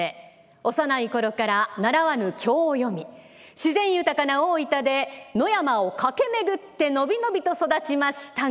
幼い頃から習わぬ経を読み自然豊かな大分で野山を駆け巡って伸び伸びと育ちましたが。